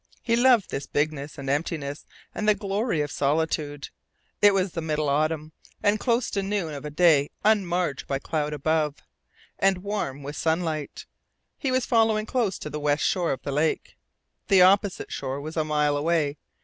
He loved this bigness and emptiness and the glory of solitude. It was middle autumn, and close to noon of a day unmarred by cloud above, and warm with sunlight. He was following close to the west shore of the lake. The opposite shore was a mile away.